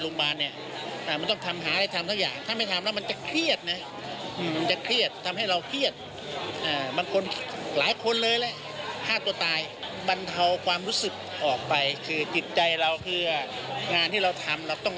ซึ่งไม่มีที่จะหามีได้อีกแล้ว